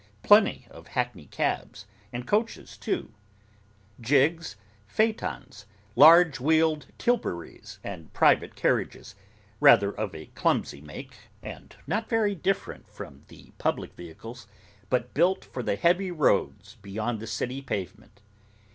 Plenty of hackney cabs and coaches too; gigs, phaetons, large wheeled tilburies, and private carriages—rather of a clumsy make, and not very different from the public vehicles, but built for the heavy roads beyond the city pavement.